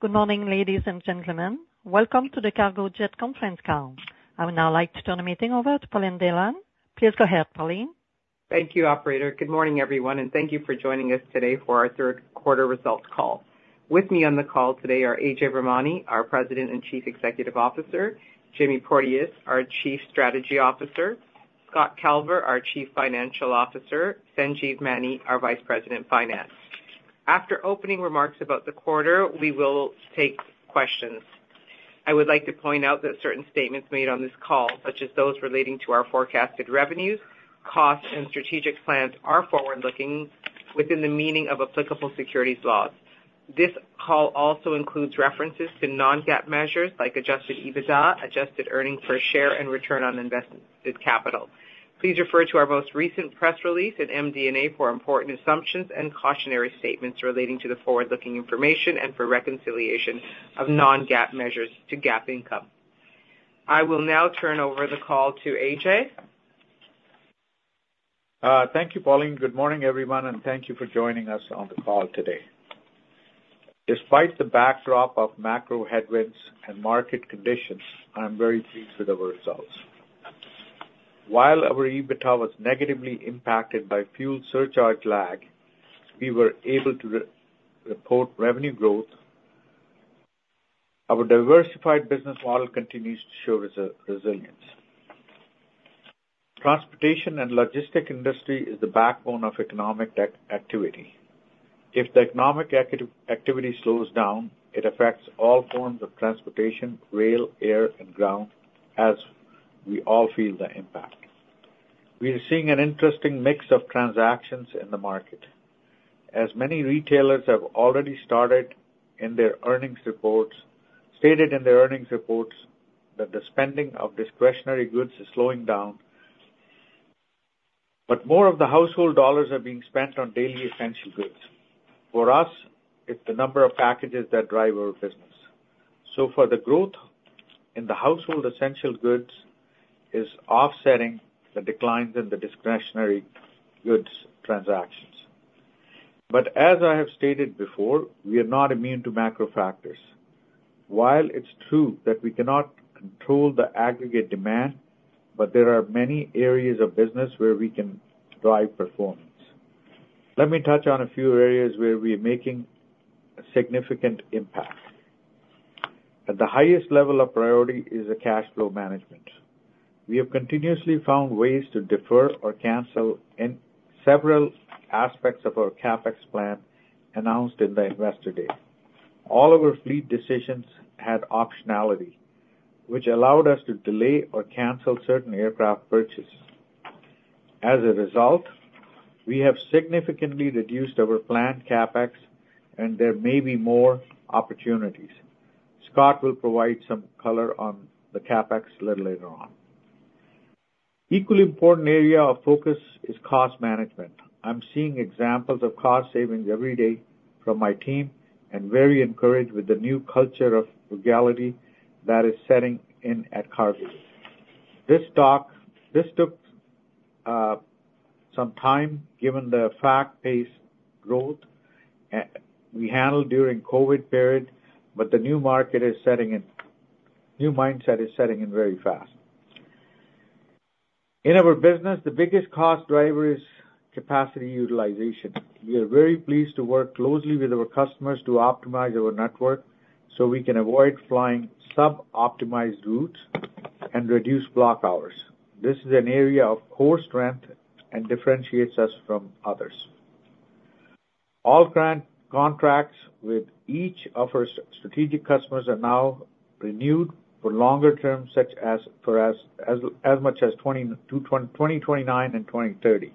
Good morning, ladies and gentlemen. Welcome to the Cargojet conference call. I would now like to turn the meeting over to Pauline Dhillon. Please go ahead, Pauline. Thank you, operator. Good morning, everyone, and thank you for joining us today for our third quarter results call. With me on the call today are Ajay Virmani, our President and Chief Executive Officer, Jamie Porteous, our Chief Strategy Officer, Scott Calver, our Chief Financial Officer, Sanjeev Maini, our Vice President, Finance. After opening remarks about the quarter, we will take questions. I would like to point out that certain statements made on this call, such as those relating to our forecasted revenues, costs, and strategic plans, are forward-looking within the meaning of applicable securities laws. This call also includes references to non-GAAP measures like Adjusted EBITDA, Adjusted Earnings Per Share, and Return on Invested Capital. Please refer to our most recent press release and MD&A for important assumptions and cautionary statements relating to the forward-looking information and for reconciliation of non-GAAP measures to GAAP income. I will now turn over the call to AJ. Thank you, Pauline. Good morning, everyone, and thank you for joining us on the call today. Despite the backdrop of macro headwinds and market conditions, I am very pleased with our results. While our EBITDA was negatively impacted by fuel surcharge lag, we were able to report revenue growth. Our diversified business model continues to show resilience. Transportation and logistics industry is the backbone of economic activity. If the economic activity slows down, it affects all forms of transportation, rail, air, and ground, as we all feel the impact. We are seeing an interesting mix of transactions in the market. As many retailers have already stated in their earnings reports that the spending of discretionary goods is slowing down, but more of the household dollars are being spent on daily essential goods. For us, it's the number of packages that drive our business. So for the growth in the household, essential goods is offsetting the declines in the discretionary goods transactions. But as I have stated before, we are not immune to macro factors. While it's true that we cannot control the aggregate demand, but there are many areas of business where we can drive performance. Let me touch on a few areas where we are making a significant impact. At the highest level of priority is the cash flow management. We have continuously found ways to defer or cancel in several aspects of our CapEx plan announced in the Investor Day. All of our fleet decisions had optionality, which allowed us to delay or cancel certain aircraft purchases. As a result, we have significantly reduced our planned CapEx, and there may be more opportunities. Scott will provide some color on the CapEx a little later on. Equally important area of focus is cost management. I'm seeing examples of cost savings every day from my team and very encouraged with the new culture of frugality that is setting in at Cargojet. This took some time, given the fast-paced growth we handled during COVID period, but the new market is setting in—new mindset is setting in very fast. In our business, the biggest cost driver is capacity utilization. We are very pleased to work closely with our customers to optimize our network, so we can avoid flying sub-optimized routes and reduce block hours. This is an area of core strength and differentiates us from others. All ACMI contracts with each of our strategic customers are now renewed for longer term, such as as much as 2020 to 2029 and 2030.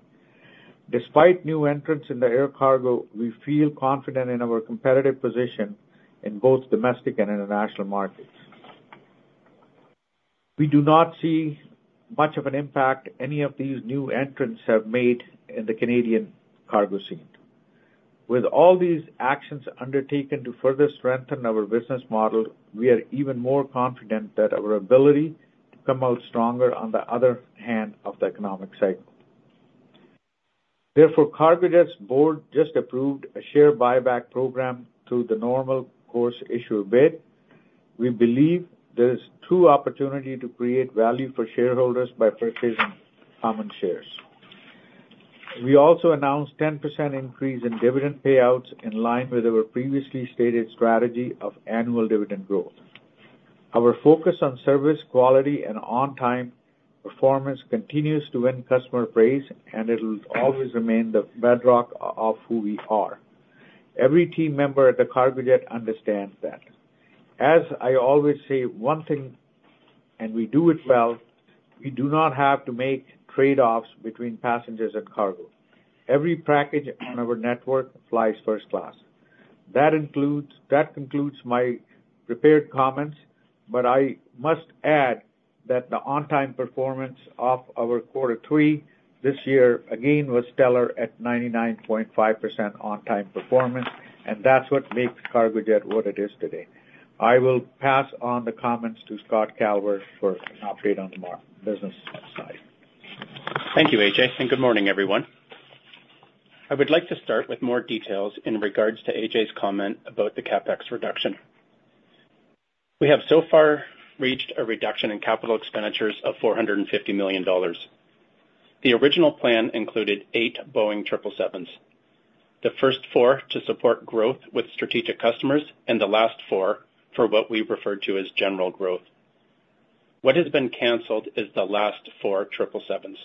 Despite new entrants in the air cargo, we feel confident in our competitive position in both domestic and international markets. We do not see much of an impact any of these new entrants have made in the Canadian cargo scene. With all these actions undertaken to further strengthen our business model, we are even more confident that our ability to come out stronger on the other side of the economic cycle. Therefore, Cargojet's board just approved a share buyback program through the Normal Course Issuer Bid. We believe there is true opportunity to create value for shareholders by purchasing common shares. We also announced 10% increase in dividend payouts in line with our previously stated strategy of annual dividend growth. Our focus on service, quality, and on-time performance continues to win customer praise, and it will always remain the bedrock of who we are. Every team member at Cargojet understands that. As I always say, one thing, and we do it well, we do not have to make trade-offs between passengers and cargo. Every package on our network flies first class. That concludes my prepared comments, but I must add that the on-time performance of our quarter three this year, again, was stellar at 99.5% on-time performance, and that's what makes Cargojet what it is today. I will pass on the comments to Scott Calver for an update on the market business side. Thank you, AJ, and good morning, everyone. I would like to start with more details in regards to AJ's comment about the CapEx reduction. We have so far reached a reduction in capital expenditures of 450 million dollars. The original plan included eight Boeing 777s, the first four to support growth with strategic customers and the last 4 for what we refer to as general growth. What has been canceled is the last four 777s.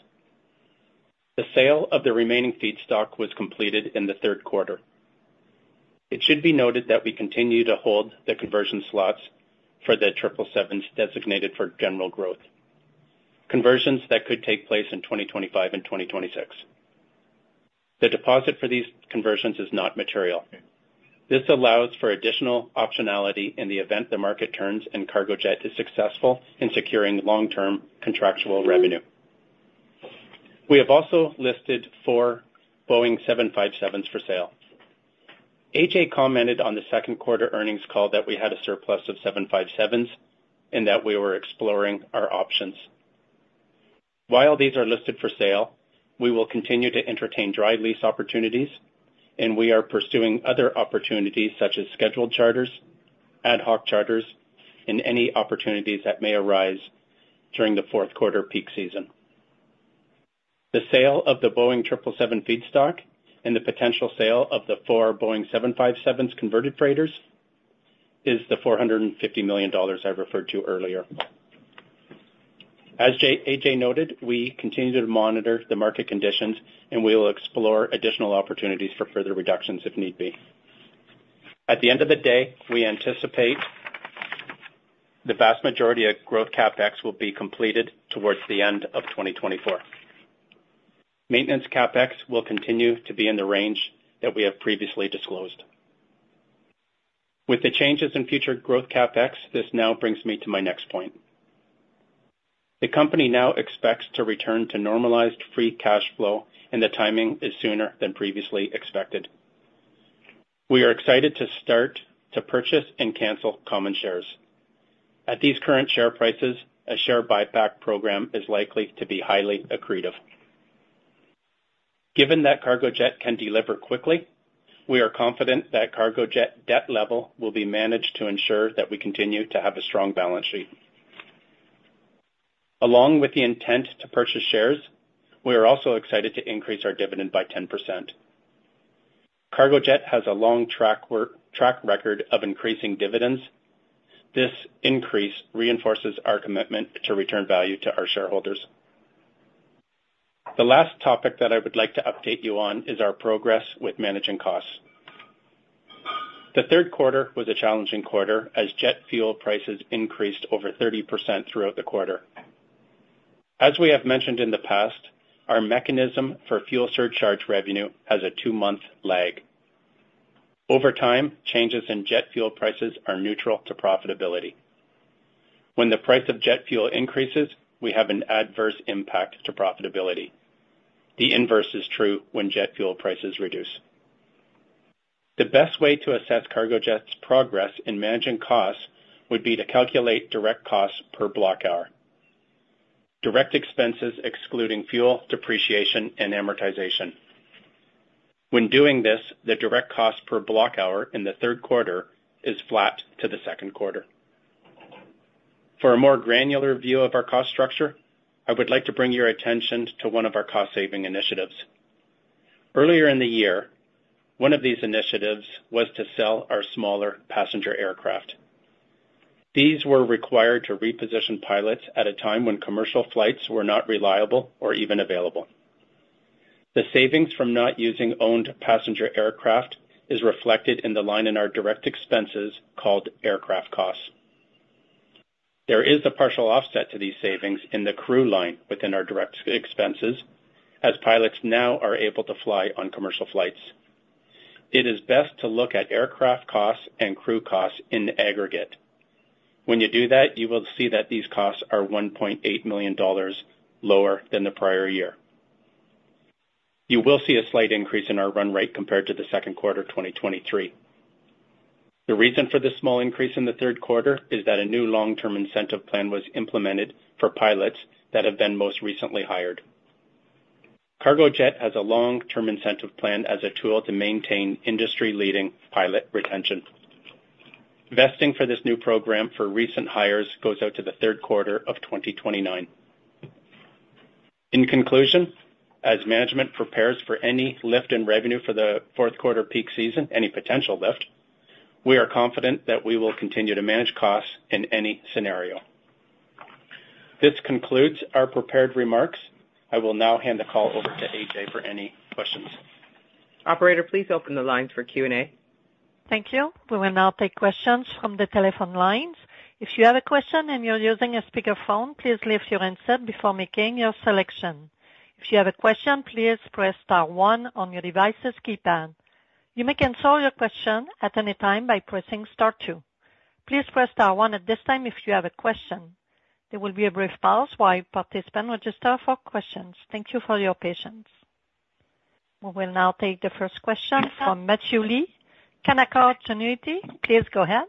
The sale of the remaining feedstock was completed in the third quarter. It should be noted that we continue to hold the conversion slots for the 777s designated for general growth, conversions that could take place in 2025 and 2026. The deposit for these conversions is not material. This allows for additional optionality in the event the market turns and Cargojet is successful in securing long-term contractual revenue. We have also listed 4 Boeing 757s for sale. AJ commented on the second quarter earnings call that we had a surplus of 757s and that we were exploring our options. While these are listed for sale, we will continue to entertain dry lease opportunities, and we are pursuing other opportunities such as scheduled charters, ad hoc charters, and any opportunities that may arise during the fourth quarter peak season. The sale of the Boeing 777 feedstock and the potential sale of the 4 Boeing 757 converted freighters is the 450 million dollars I referred to earlier. As AJ noted, we continue to monitor the market conditions, and we will explore additional opportunities for further reductions if need be. At the end of the day, we anticipate the vast majority of growth CapEx will be completed towards the end of 2024. Maintenance CapEx will continue to be in the range that we have previously disclosed. With the changes in future growth CapEx, this now brings me to my next point. The company now expects to return to normalized free cash flow, and the timing is sooner than previously expected. We are excited to start to purchase and cancel common shares. At these current share prices, a share buyback program is likely to be highly accretive. Given that Cargojet can deliver quickly, we are confident that Cargojet debt level will be managed to ensure that we continue to have a strong balance sheet. Along with the intent to purchase shares, we are also excited to increase our dividend by 10%. Cargojet has a long track record of increasing dividends. This increase reinforces our commitment to return value to our shareholders. The last topic that I would like to update you on is our progress with managing costs. The third quarter was a challenging quarter as jet fuel prices increased over 30% throughout the quarter. As we have mentioned in the past, our mechanism for fuel surcharge revenue has a two-month lag. Over time, changes in jet fuel prices are neutral to profitability. When the price of jet fuel increases, we have an adverse impact to profitability. The inverse is true when jet fuel prices reduce. The best way to assess Cargojet's progress in managing costs would be to calculate direct costs per block hour. Direct expenses excluding fuel, depreciation, and amortization. When doing this, the direct cost per block hour in the third quarter is flat to the second quarter. For a more granular view of our cost structure, I would like to bring your attention to one of our cost-saving initiatives. Earlier in the year, one of these initiatives was to sell our smaller passenger aircraft. These were required to reposition pilots at a time when commercial flights were not reliable or even available. The savings from not using owned passenger aircraft is reflected in the line in our direct expenses called aircraft costs. There is a partial offset to these savings in the crew line within our direct expenses, as pilots now are able to fly on commercial flights. It is best to look at aircraft costs and crew costs in the aggregate. When you do that, you will see that these costs are 1.8 million dollars lower than the prior year. You will see a slight increase in our run rate compared to the second quarter 2023. The reason for this small increase in the third quarter is that a new long-term incentive plan was implemented for pilots that have been most recently hired. Cargojet has a long-term incentive plan as a tool to maintain industry-leading pilot retention. Vesting for this new program for recent hires goes out to the third quarter of 2029. In conclusion, as management prepares for any lift in revenue for the fourth quarter peak season, any potential lift, we are confident that we will continue to manage costs in any scenario. This concludes our prepared remarks. I will now hand the call over to AJ for any questions. Operator, please open the lines for Q&A. Thank you. We will now take questions from the telephone lines. If you have a question and you're using a speakerphone, please lift your handset before making your selection. If you have a question, please press star one on your device's keypad. You may cancel your question at any time by pressing star two. Please press star one at this time if you have a question. There will be a brief pause while participants register for questions. Thank you for your patience. We will now take the first question from Matthew Lee, Canaccord Genuity. Please go ahead.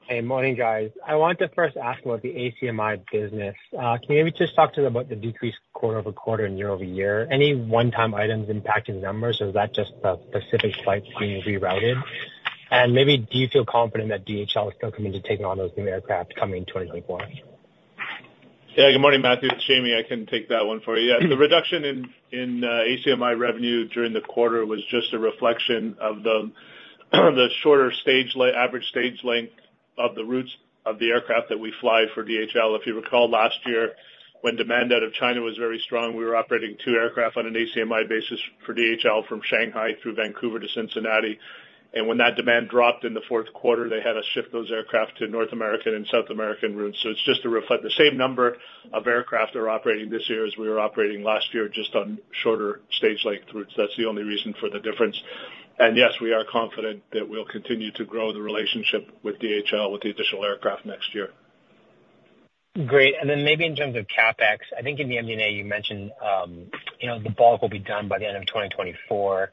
Hey, morning, guys. I want to first ask about the ACMI business. Can you maybe just talk to them about the decrease quarter-over-quarter and year-over-year? Any one-time items impacting the numbers, or is that just a specific flight being rerouted? And maybe do you feel confident that DHL is still committed to taking all those new aircraft coming in 2024? Yeah, good morning, Matthew. It's Jamie. I can take that one for you. Yeah, the reduction in ACMI revenue during the quarter was just a reflection of the shorter average stage length of the routes of the aircraft that we fly for DHL. If you recall, last year, when demand out of China was very strong, we were operating two aircraft on an ACMI basis for DHL from Shanghai through Vancouver to Cincinnati. And when that demand dropped in the fourth quarter, they had us shift those aircraft to North American and South American routes. So it's just to reflect the same number of aircraft are operating this year as we were operating last year, just on shorter stage length routes. That's the only reason for the difference. Yes, we are confident that we'll continue to grow the relationship with DHL, with the additional aircraft next year. Great. And then maybe in terms of CapEx, I think in the MD&A, you mentioned, you know, the bulk will be done by the end of 2024.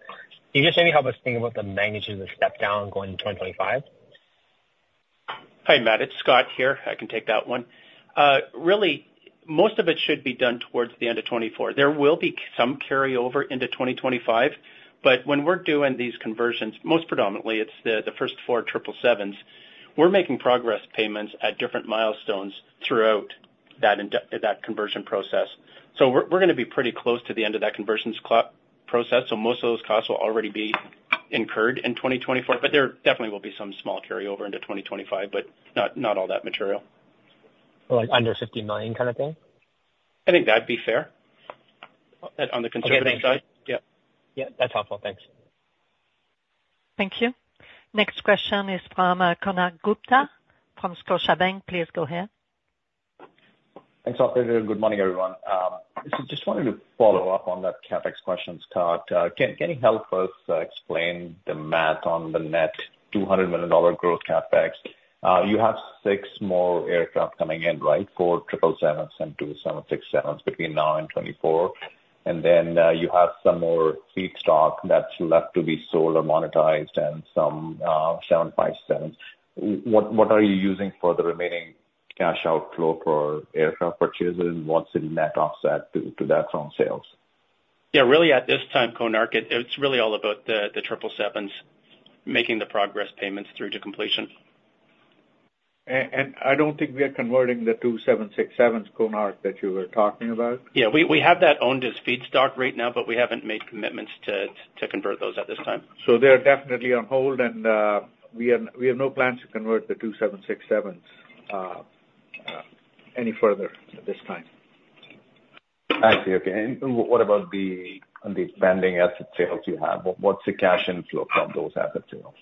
Can you just maybe help us think about the magnitude of the step down going into 2025? Hi, Matt, it's Scott here. I can take that one. Really, most of it should be done towards the end of 2024. There will be some carryover into 2025, but when we're doing these conversions, most predominantly, it's the first four triple sevens. We're making progress payments at different milestones throughout that conversion process. So we're gonna be pretty close to the end of that conversion process, so most of those costs will already be incurred in 2024, but there definitely will be some small carryover into 2025, but not all that material. Like under 50 million kind of thing? I think that'd be fair, on the conservative side. Okay. Thank you. Yeah. Yeah, that's helpful. Thanks. Thank you. Next question is from Konark Gupta from Scotiabank. Please go ahead. Thanks, operator. Good morning, everyone. So just wanted to follow up on that CapEx question, Scott. Can you help us explain the math on the net 200 million dollar growth CapEx? You have six more aircraft coming in, right? Four 777s and two 767s between now and 2024. And then, you have some more feedstock that's left to be sold or monetized and some 757s. What are you using for the remaining cash outflow for aircraft purchases, and what's the net offset to that from sales? Yeah, really at this time, Konark, it's really all about the triple sevens, making the progress payments through to completion. I don't think we are converting the two 767s, Konark, that you were talking about. Yeah, we have that owned as feedstock right now, but we haven't made commitments to convert those at this time. So they're definitely on hold, and we are, we have no plans to convert the 2 767s any further at this time. I see. Okay. And what about the pending asset sales you have? What's the cash inflow from those asset sales?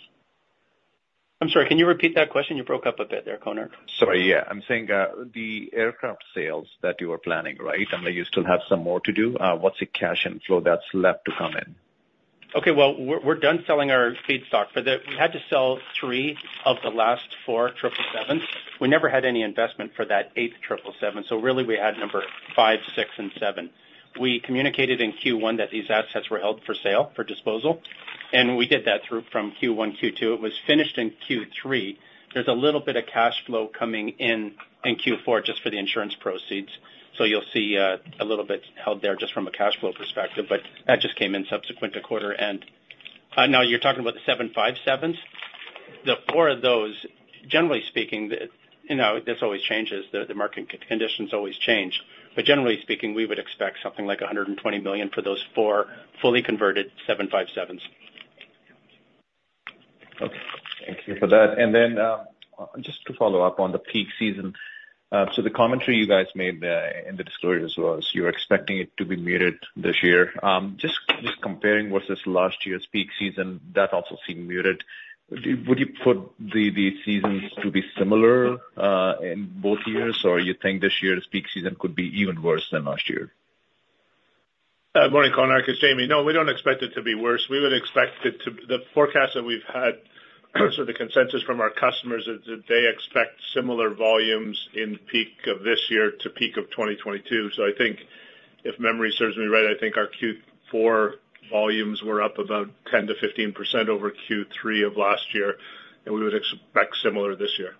I'm sorry, can you repeat that question? You broke up a bit there, Konark. Sorry, yeah. I'm saying, the aircraft sales that you were planning, right? I mean, you still have some more to do. What's the cash inflow that's left to come in? Okay, well, we're done selling our feedstock. We had to sell three of the last four 777s. We never had any investment for that 8th 777, so really, we had number 5, 6, and 7. We communicated in Q1 that these assets were held for sale, for disposal, and we did that through from Q1, Q2. It was finished in Q3. There's a little bit of cash flow coming in in Q4, just for the insurance proceeds. So you'll see a little bit held there just from a cash flow perspective, but that just came in subsequent to quarter end. Now, you're talking about the 757s? The 4 of those, generally speaking, you know, this always changes. The market conditions always change. But generally speaking, we would expect something like 120 million for those four fully converted 757s. Okay, thank you for that. And then, just to follow up on the peak season. So the commentary you guys made, in the disclosure as well, is you're expecting it to be muted this year. Just comparing versus last year's peak season, that also seemed muted. Would you put the seasons to be similar, in both years, or you think this year's peak season could be even worse than last year? Good morning, Konark. It's Jamie. No, we don't expect it to be worse. We would expect it to... The forecast that we've had, so the consensus from our customers is that they expect similar volumes in peak of this year to peak of 2022. So I think if memory serves me right, I think our Q4 volumes were up about 10%-15% over Q3 of last year, and we would expect similar this year.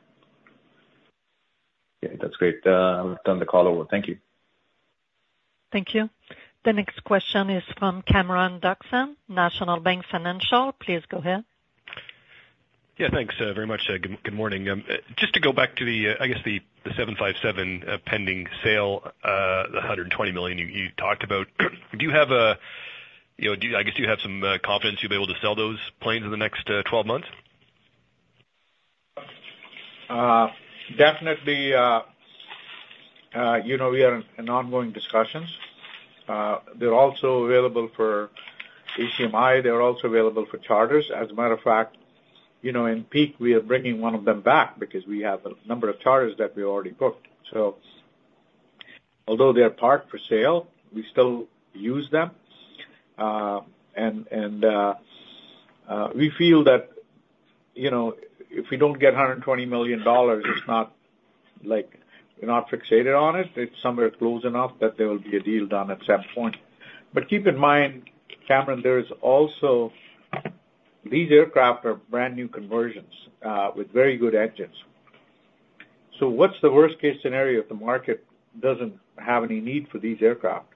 Okay, that's great. I'll turn the call over. Thank you. Thank you. The next question is from Cameron Doerksen, National Bank Financial. Please go ahead. Yeah, thanks very much. Good morning. Just to go back to the, I guess, the 757 pending sale, the 120 million you talked about. Do you have a, you know, do you, I guess you have some confidence you'll be able to sell those planes in the next 12 months? Definitely, you know, we are in ongoing discussions. They're also available for ACMI, they're also available for charters. As a matter of fact, you know, in peak, we are bringing one of them back because we have a number of charters that we already booked. So although they are parked for sale, we still use them. And we feel that, you know, if we don't get 120 million dollars, it's not like we're not fixated on it. It's somewhere close enough that there will be a deal done at some point. But keep in mind, Cameron, there is also these aircraft are brand new conversions with very good engines. So what's the worst case scenario if the market doesn't have any need for these aircraft?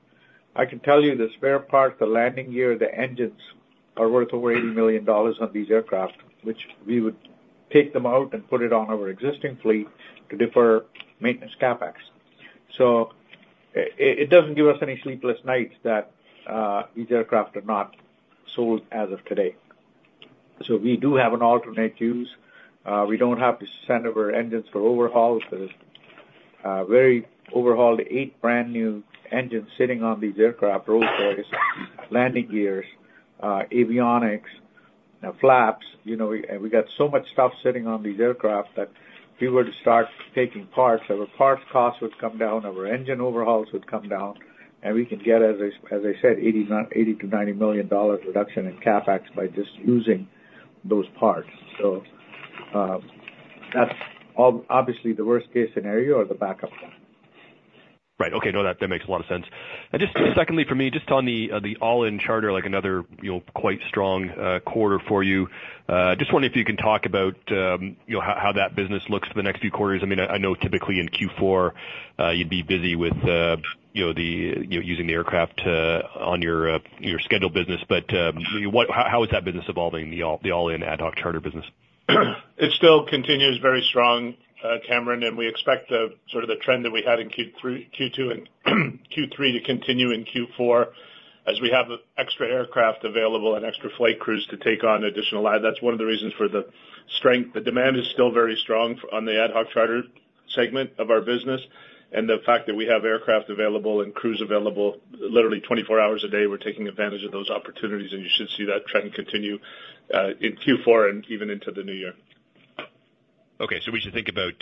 I can tell you the spare parts, the landing gear, the engines are worth over 80 million dollars on these aircraft, which we would take them out and put it on our existing fleet to defer maintenance CapEx. So it doesn't give us any sleepless nights that these aircraft are not sold as of today. So we do have an alternate use. We don't have to send over engines for overhauls. There's very overhauled eight brand new engines sitting on these aircraft, rotors, landing gears, avionics, flaps. You know, we, and we got so much stuff sitting on these aircraft that if we were to start taking parts, our parts costs would come down, our engine overhauls would come down, and we can get, as I, as I said, eighty-ninety, 80 million-90 million dollars reduction in CapEx by just using those parts. That's obviously the worst case scenario or the backup plan. Right. Okay. No, that, that makes a lot of sense. And just secondly, for me, just on the, the all-in charter, like another, you know, quite strong, quarter for you. Just wondering if you can talk about, you know, how that business looks for the next few quarters. I mean, I know typically in Q4, you'd be busy with, you know, using the aircraft, on your, your scheduled business. But, what, how is that business evolving, the all-in ad hoc charter business? It still continues very strong, Cameron, and we expect the sort of the trend that we had in Q3, Q2, and Q3 to continue in Q4, as we have extra aircraft available and extra flight crews to take on additional lift. That's one of the reasons for the strength. The demand is still very strong for the ad hoc charter segment of our business, and the fact that we have aircraft available and crews available literally 24 hours a day, we're taking advantage of those opportunities, and you should see that trend continue in Q4 and even into the new year. Okay, so we should think about,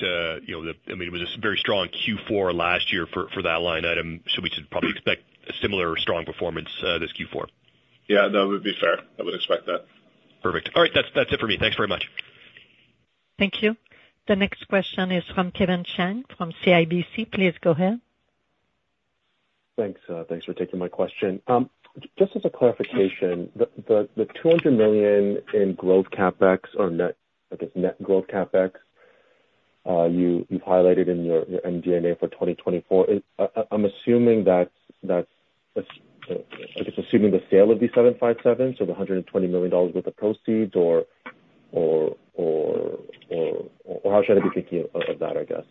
you know, I mean, it was a very strong Q4 last year for, for that line item, so we should probably expect a similar strong performance, this Q4? Yeah, that would be fair. I would expect that. Perfect. All right, that's, that's it for me. Thanks very much. Thank you. The next question is from Kevin Chiang, from CIBC. Please go ahead. Thanks, thanks for taking my question. Just as a clarification, the 200 million in growth CapEx or net, I guess, net growth CapEx, you've highlighted in your MD&A for 2024, is- I'm assuming that's, I guess, assuming the sale of the 757, so the 120 million dollars worth of proceeds or how should I be thinking of that, I guess?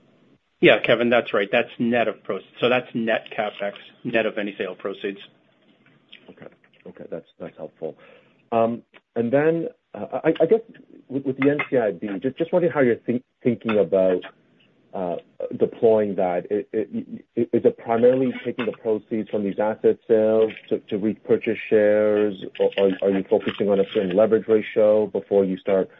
Yeah, Kevin, that's right. That's net of, so that's net CapEx, net of any sale proceeds. Okay. Okay, that's helpful. And then, I guess with the NCIB, just wondering how you're thinking about deploying that. Is it primarily taking the proceeds from these asset sales to repurchase shares, or are you focusing on a certain leverage ratio before you start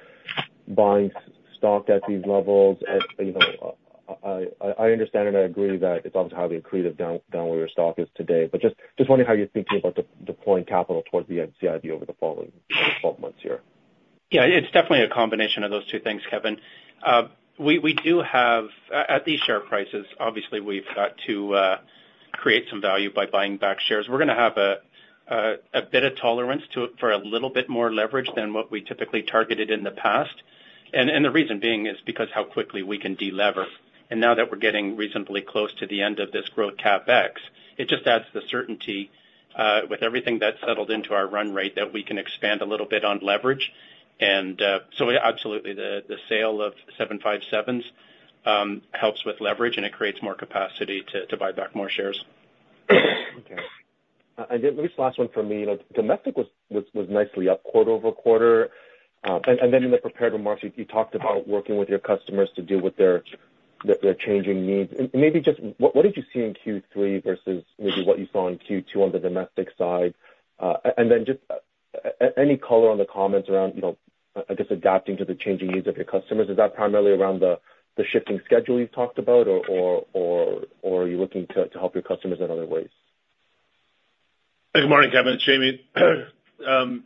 buying stock at these levels? And, you know, I understand it, I agree that it's obviously highly accretive down where your stock is today, but just wondering how you're thinking about deploying capital towards the NCIB over the following twelve months here? Yeah, it's definitely a combination of those two things, Kevin. We do have... At these share prices, obviously, we've got to create some value by buying back shares. We're gonna have a bit of tolerance for a little bit more leverage than what we typically targeted in the past. The reason being is because how quickly we can delever. Now that we're getting reasonably close to the end of this growth CapEx, it just adds the certainty with everything that's settled into our run rate, that we can expand a little bit on leverage. So absolutely, the sale of 757s helps with leverage, and it creates more capacity to buy back more shares. Okay. And then maybe this last one for me, you know, domestic was nicely up quarter-over-quarter. And then in the prepared remarks, you talked about working with your customers to deal with their changing needs. And maybe just what did you see in Q3 versus maybe what you saw in Q2 on the domestic side? And then just any color on the comments around, you know, I guess, adapting to the changing needs of your customers. Is that primarily around the shifting schedule you've talked about? Or are you looking to help your customers in other ways? Good morning, Kevin, it's Jamie. Now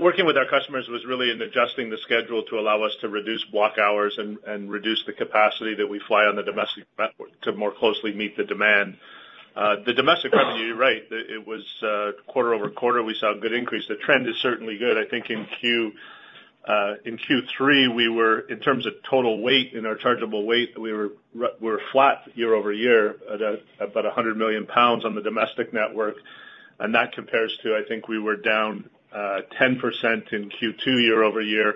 working with our customers was really in adjusting the schedule to allow us to reduce block hours and reduce the capacity that we fly on the domestic network to more closely meet the demand. The domestic revenue, you're right, it was quarter-over-quarter, we saw a good increase. The trend is certainly good. I think in Q3, we were, in terms of total weight, in our chargeable weight, we were flat year-over-year, at about 100 million pounds on the domestic network, and that compares to, I think, we were down 10% in Q2 year-over-year,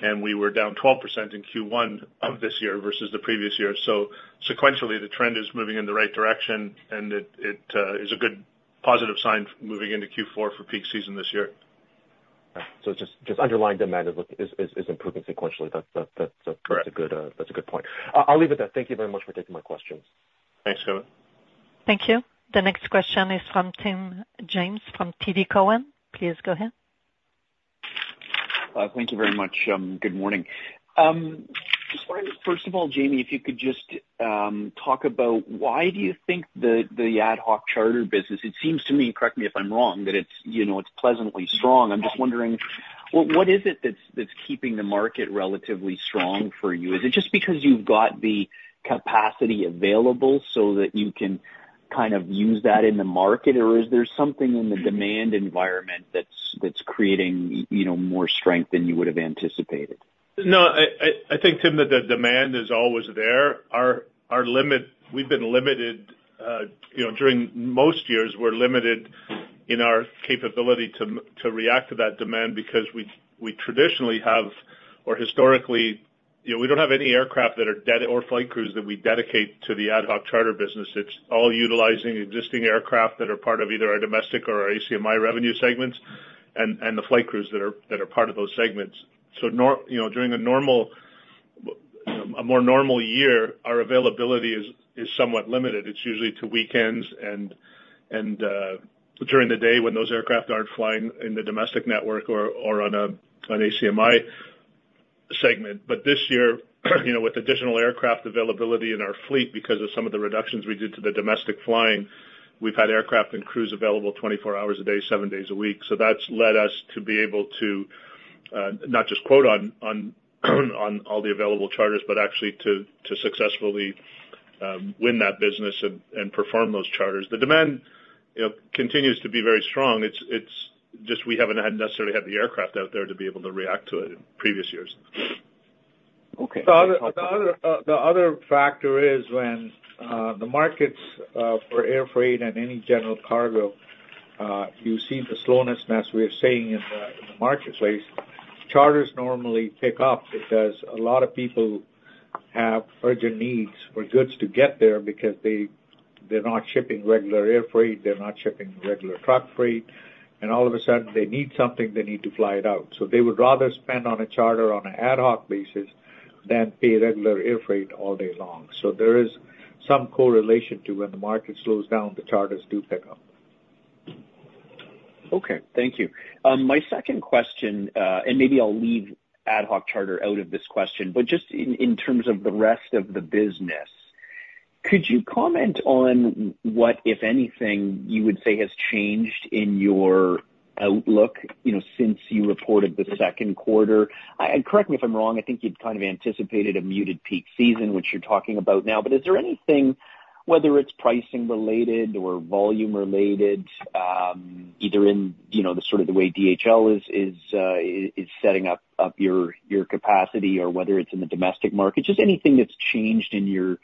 and we were down 12% in Q1 of this year versus the previous year. So sequentially, the trend is moving in the right direction, and it is a good positive sign moving into Q4 for peak season this year. So just underlying demand is improving sequentially. That's— Correct. That's a good point. I, I'll leave it there. Thank you very much for taking my questions. Thanks, Kevin. Thank you. The next question is from Tim James, from TD Cowen. Please go ahead. Thank you very much. Good morning. Just wondering, first of all, Jamie, if you could just talk about why do you think the, the ad hoc charter business. It seems to me, correct me if I'm wrong, that it's, you know, it's pleasantly strong. I'm just wondering. Well, what is it that's, that's keeping the market relatively strong for you? Is it just because you've got the capacity available so that you can kind of use that in the market? Or is there something in the demand environment that's, that's creating, you know, more strength than you would have anticipated? No, I think, Tim, that the demand is always there. Our limit. We've been limited, you know, during most years, we're limited in our capability to react to that demand because we traditionally have or historically, you know, we don't have any aircraft that are dedicated or flight crews that we dedicate to the ad hoc charter business. It's all utilizing existing aircraft that are part of either our domestic or our ACMI revenue segments and the flight crews that are part of those segments. So, you know, during a normal, a more normal year, our availability is somewhat limited. It's usually to weekends and during the day when those aircraft aren't flying in the domestic network or on an ACMI segment. But this year, you know, with additional aircraft availability in our fleet, because of some of the reductions we did to the domestic flying, we've had aircraft and crews available 24 hours a day, seven days a week. So that's led us to be able to not just quote on all the available charters, but actually to successfully win that business and perform those charters. The demand, you know, continues to be very strong. It's just we haven't necessarily had the aircraft out there to be able to react to it in previous years. Okay. The other factor is when the markets for air freight and any general cargo you see the slowness, and as we're seeing in the marketplace, charters normally pick up because a lot of people have urgent needs for goods to get there because they're not shipping regular air freight, they're not shipping regular truck freight, and all of a sudden they need something, they need to fly it out. So they would rather spend on a charter on an ad hoc basis than pay regular air freight all day long. So there is some correlation to when the market slows down, the charters do pick up. Okay, thank you. My second question, and maybe I'll leave ad hoc charter out of this question, but just in terms of the rest of the business, could you comment on what, if anything, you would say has changed in your outlook, you know, since you reported the second quarter? And correct me if I'm wrong, I think you'd kind of anticipated a muted peak season, which you're talking about now, but is there anything, whether it's pricing related or volume related, either in, you know, the sort of the way DHL is setting up your capacity or whether it's in the domestic market, just anything that's changed in your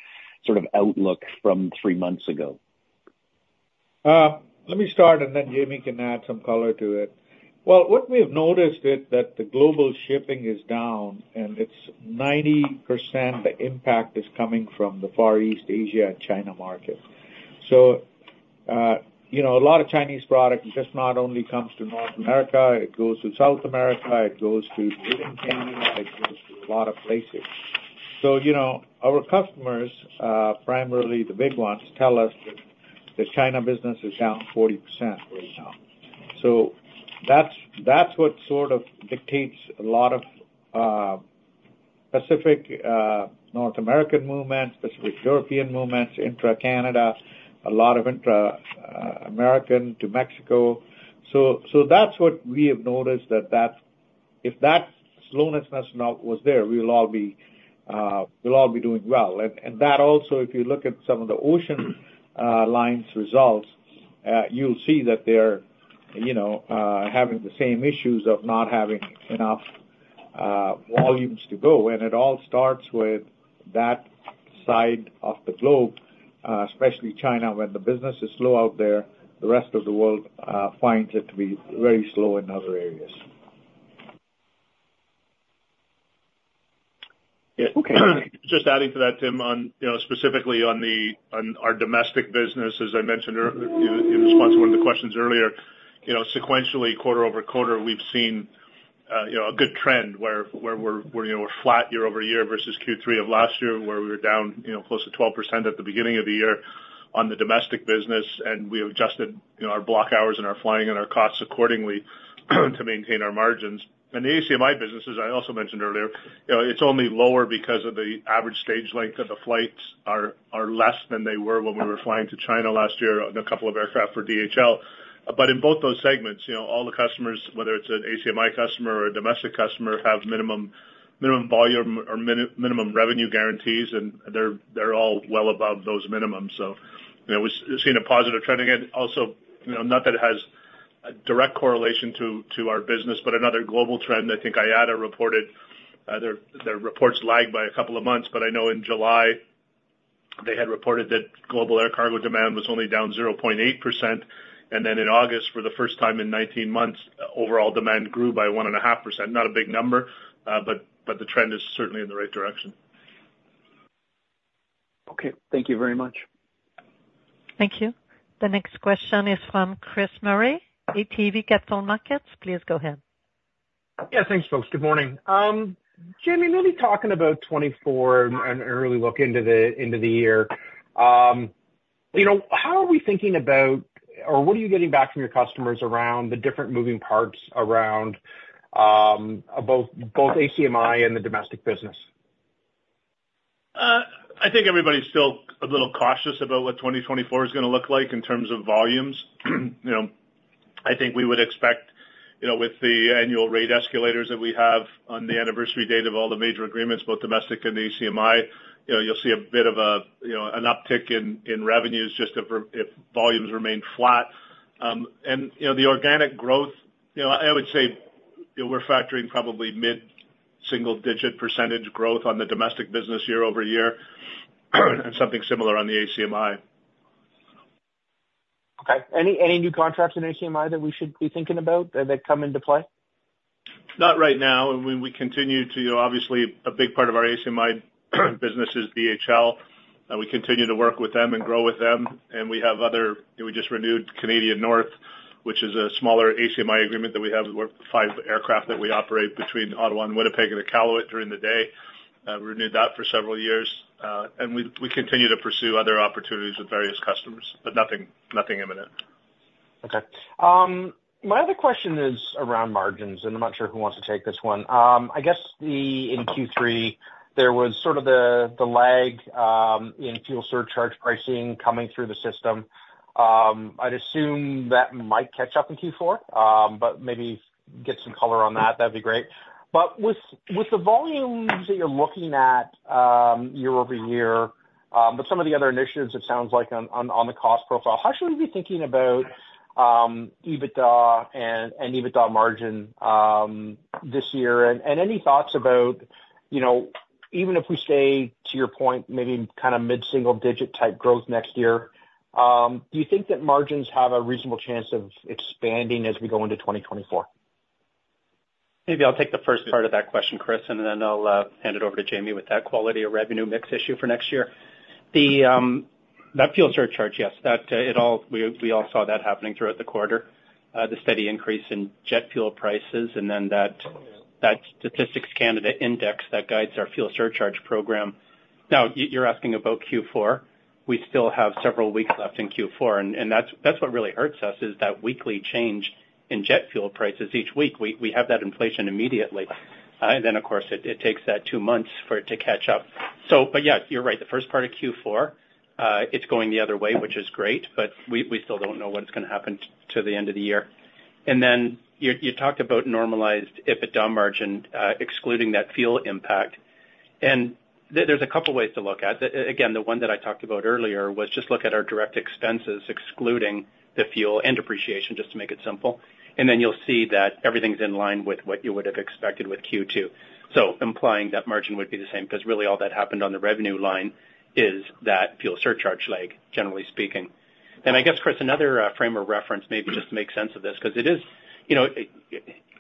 sort of outlook from three months ago? Let me start, and then Jamie can add some color to it. Well, what we have noticed is that the global shipping is down, and it's 90%, the impact is coming from the Far East Asia, China market. So, you know, a lot of Chinese product just not only comes to North America, it goes to South America, it goes to Latin America, it goes to a lot of places. So, you know, our customers, primarily the big ones, tell us that the China business is down 40% right now. So that's, that's what sort of dictates a lot of, specific, North American movements, specific European movements, intra Canada, a lot of intra, American to Mexico. So, so that's what we have noticed, that, that if that slowness was not there, we'll all be, we'll all be doing well. And that also, if you look at some of the ocean lines results, you'll see that they're, you know, having the same issues of not having enough volumes to go. It all starts with that side of the globe, especially China. When the business is slow out there, the rest of the world finds it to be very slow in other areas. Okay. Just adding to that, Tim, on, you know, specifically on the—on our domestic business, as I mentioned earlier in response to one of the questions earlier, you know, sequentially, quarter-over-quarter, we've seen, you know, a good trend where we're flat year-over-year versus Q3 of last year, where we were down, you know, close to 12% at the beginning of the year on the domestic business. And we have adjusted, you know, our block hours and our flying and our costs accordingly to maintain our margins. And the ACMI business, as I also mentioned earlier, you know, it's only lower because of the average stage length of the flights are less than they were when we were flying to China last year on a couple of aircraft for DHL. But in both those segments, you know, all the customers, whether it's an ACMI customer or a domestic customer, have minimum, minimum volume or min- minimum revenue guarantees, and they're, they're all well above those minimums. So, you know, we've seen a positive trend again. Also, you know, not that it has a direct correlation to, to our business, but another global trend, I think IATA reported, their, their reports lagged by a couple of months, but I know in July, they had reported that global air cargo demand was only down 0.8%. And then in August, for the first time in 19 months, overall demand grew by 1.5%. Not a big number, but, but the trend is certainly in the right direction. Okay, thank you very much. Thank you. The next question is from Chris Murray, ATB Capital Markets. Please go ahead. Yeah, thanks, folks. Good morning. Jamie, maybe talking about 2024 and an early look into the year. You know, how are we thinking about or what are you getting back from your customers around the different moving parts around both ACMI and the domestic business?... I think everybody's still a little cautious about what 2024 is gonna look like in terms of volumes. You know, I think we would expect, you know, with the annual rate escalators that we have on the anniversary date of all the major agreements, both domestic and ACMI, you know, you'll see a bit of a, you know, an uptick in, in revenues just if if volumes remain flat. And, you know, the organic growth, you know, I would say, you know, we're factoring probably mid-single digit percentage growth on the domestic business year-over-year, and something similar on the ACMI. Okay. Any new contracts in ACMI that we should be thinking about, that come into play? Not right now, and when we continue to obviously, a big part of our ACMI business is DHL, and we continue to work with them and grow with them. And we have other. We just renewed Canadian North, which is a smaller ACMI agreement that we have with five aircraft that we operate between Ottawa and Winnipeg and Iqaluit during the day. We renewed that for several years. And we, we continue to pursue other opportunities with various customers, but nothing, nothing imminent. Okay. My other question is around margins, and I'm not sure who wants to take this one. I guess in Q3, there was sort of the lag in fuel surcharge pricing coming through the system. I'd assume that might catch up in Q4, but maybe get some color on that, that'd be great. But with the volumes that you're looking at, year-over-year, but some of the other initiatives, it sounds like on the cost profile, how should we be thinking about EBITDA and EBITDA margin this year? And any thoughts about, you know, even if we stay, to your point, maybe kind of mid-single digit type growth next year, do you think that margins have a reasonable chance of expanding as we go into 2024? Maybe I'll take the first part of that question, Chris, and then I'll hand it over to Jamie with that quality of revenue mix issue for next year. The that fuel surcharge, yes, that it all... We all saw that happening throughout the quarter. The steady increase in jet fuel prices, and then that Statistics Canada index that guides our fuel surcharge program. Now, you're asking about Q4. We still have several weeks left in Q4, and that's what really hurts us, is that weekly change in jet fuel prices. Each week, we have that inflation immediately. Then, of course, it takes that two months for it to catch up. So but yeah, you're right. The first part of Q4, it's going the other way, which is great, but we, we still don't know what's gonna happen to the end of the year. And then you, you talked about normalized EBITDA margin, excluding that fuel impact. And there, there's a couple of ways to look at. Again, the one that I talked about earlier was just look at our direct expenses, excluding the fuel and depreciation, just to make it simple. And then you'll see that everything's in line with what you would have expected with Q2. So implying that margin would be the same, because really all that happened on the revenue line is that fuel surcharge lag, generally speaking. Then I guess, Chris, another frame of reference, maybe just to make sense of this, because it is, you know,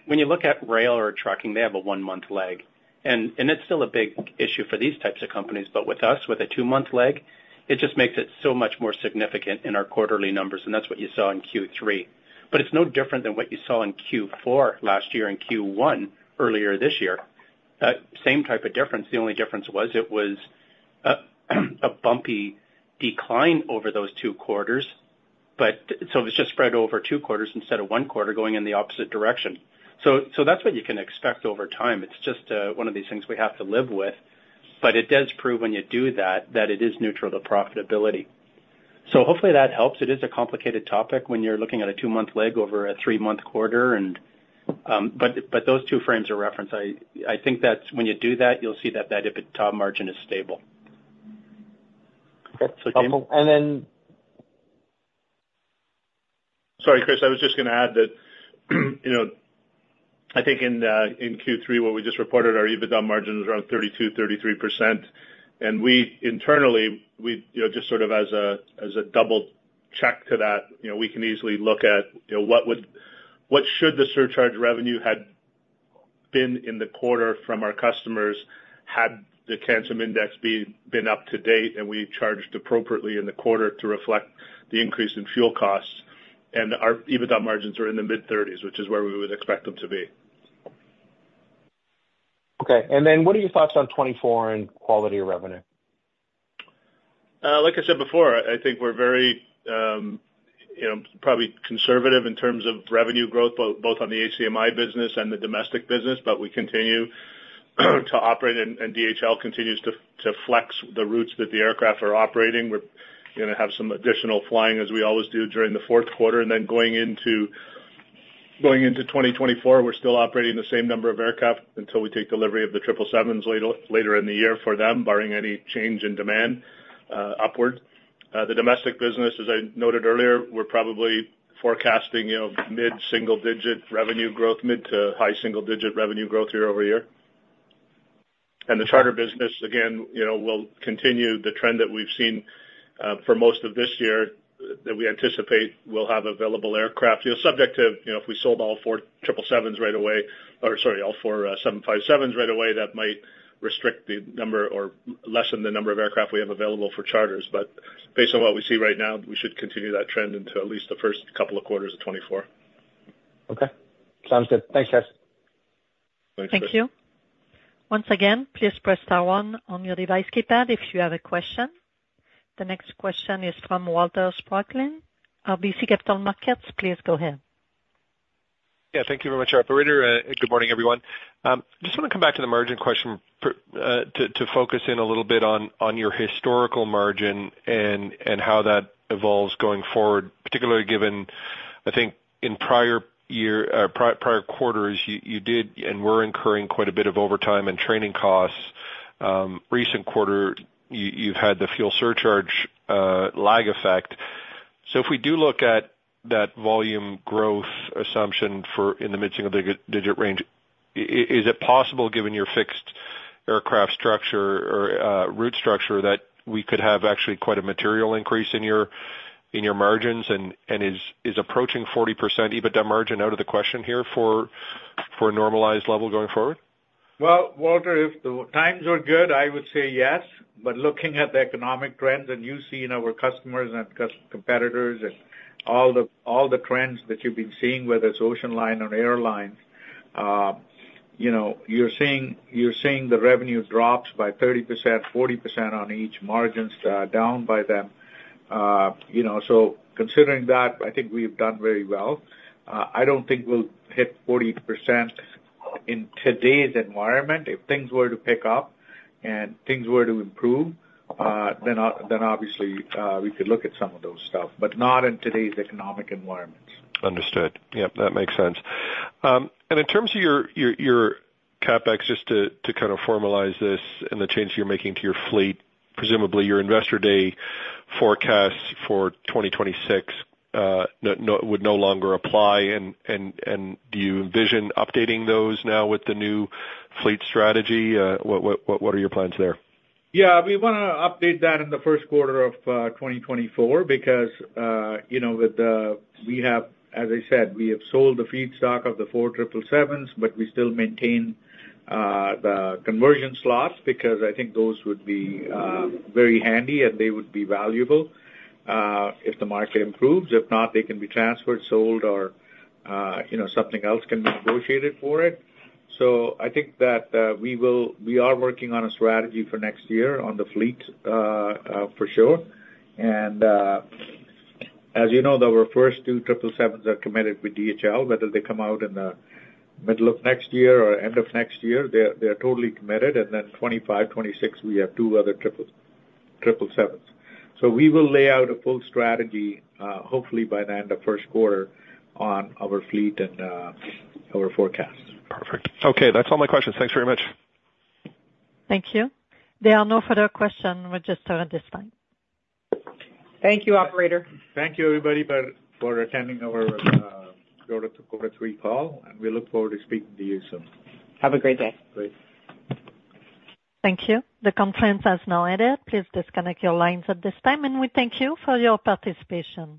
when you look at rail or trucking, they have a one-month lag, and it's still a big issue for these types of companies. But with us, with a two-month lag, it just makes it so much more significant in our quarterly numbers, and that's what you saw in Q3. But it's no different than what you saw in Q4 last year and Q1 earlier this year. Same type of difference. The only difference was it was a bumpy decline over those two quarters, but so it was just spread over two quarters instead of one quarter going in the opposite direction. So that's what you can expect over time. It's just one of these things we have to live with. But it does prove when you do that, that it is neutral to profitability. So hopefully that helps. It is a complicated topic when you're looking at a two-month lag over a three-month quarter. And those two frames of reference, I think that's when you do that, you'll see that that EBITDA margin is stable. That's helpful. So, Jamie? And then- Sorry, Chris. I was just gonna add that, you know, I think in Q3, what we just reported, our EBITDA margin was around 32%-33%. We internally, you know, just sort of as a double check to that, you know, we can easily look at, you know, what should the surcharge revenue had been in the quarter from our customers, had the CANSIM index been up to date, and we charged appropriately in the quarter to reflect the increase in fuel costs. Our EBITDA margins are in the mid-30s%, which is where we would expect them to be. Okay. And then what are your thoughts on 2024 and quality of revenue? Like I said before, I think we're very, you know, probably conservative in terms of revenue growth, both on the ACMI business and the domestic business, but we continue to operate, and DHL continues to flex the routes that the aircraft are operating. We're gonna have some additional flying, as we always do, during the fourth quarter. And then going into 2024, we're still operating the same number of aircraft until we take delivery of the triple sevens later in the year for them, barring any change in demand upward. The domestic business, as I noted earlier, we're probably forecasting, you know, mid-single-digit revenue growth, mid- to high-single-digit revenue growth year-over-year. The charter business, again, you know, will continue the trend that we've seen for most of this year, that we anticipate will have available aircraft, you know, subject to, you know, if we sold all four 777s right away, or sorry, all four 757 right away, that might restrict the number or lessen the number of aircraft we have available for charters. But based on what we see right now, we should continue that trend into at least the first couple of quarters of 2024. Okay. Sounds good. Thanks, guys. Thanks, Chris. Thank you. Once again, please press star one on your device keypad if you have a question. The next question is from Walter Spracklin, RBC Capital Markets. Please go ahead. Yeah, thank you very much, operator, and good morning, everyone. Just want to come back to the margin question, to focus in a little bit on your historical margin and how that evolves going forward, particularly given, I think, in prior year, prior quarters, you did and were incurring quite a bit of overtime and training costs. Recent quarter, you've had the fuel surcharge lag effect. So if we do look at that volume growth assumption for in the mid-single-digit range, is it possible, given your fixed aircraft structure or route structure, that we could have actually quite a material increase in your margins? And is approaching 40% EBITDA margin out of the question here for a normalized level going forward? Well, Walter, if the times were good, I would say yes. But looking at the economic trends, and you see in our customers and competitors and all the, all the trends that you've been seeing, whether it's ocean line or airlines, you know, you're seeing, you're seeing the revenue drops by 30%, 40% on each, margins down by them. You know, so considering that, I think we've done very well. I don't think we'll hit 40% in today's environment. If things were to pick up and things were to improve, then obviously, we could look at some of those stuff, but not in today's economic environments. Understood. Yep, that makes sense. And in terms of your CapEx, just to kind of formalize this and the changes you're making to your fleet, presumably your Investor Day forecasts for 2026 would no longer apply. And do you envision updating those now with the new fleet strategy? What are your plans there? Yeah, we wanna update that in the first quarter of 2024, because, you know, with, we have—as I said, we have sold the feedstock of the four triple sevens, but we still maintain the conversion slots, because I think those would be very handy, and they would be valuable if the market improves. If not, they can be transferred, sold, or, you know, something else can be negotiated for it. So I think that we are working on a strategy for next year on the fleet, for sure. And, as you know, our first two triple sevens are committed with DHL. Whether they come out in the middle of next year or end of next year, they're totally committed. And then 2025, 2026, we have two other triple sevens. We will lay out a full strategy, hopefully by the end of first quarter on our fleet and our forecast. Perfect. Okay, that's all my questions. Thanks very much. Thank you. There are no further questions registered at this time. Thank you, operator. Thank you, everybody, for attending our quarter to quarter three call, and we look forward to speaking to you soon. Have a great day. Great. Thank you. The conference has now ended. Please disconnect your lines at this time, and we thank you for your participation.